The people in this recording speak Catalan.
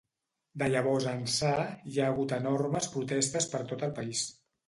De llavors ençà, hi ha hagut enormes protestes per tot el país.